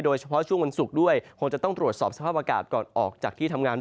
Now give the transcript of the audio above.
โดยเฉพาะช่วงวันศุกร์ด้วยคงจะต้องตรวจสอบสภาพอากาศก่อนออกจากที่ทำงาน